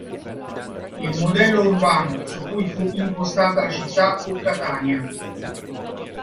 Il modello urbano su cui fu impostata la città fu Catania.